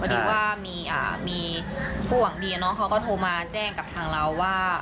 ดีว่ามีผู้หวังดีเขาก็โทรมาแจ้งกับทางเราว่า